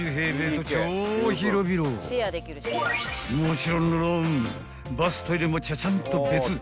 ［もちろんのろんバス・トイレもちゃちゃんと別］